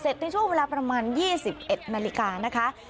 ในช่วงเวลาประมาณ๒๑นาฬิกานะคะ